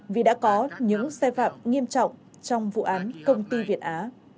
vì đã có những sai phạm nghiêm trọng trong vụ án công ty việt á